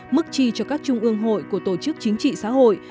mức chi cho các trung ương hội của tổ chức chính trị xã hội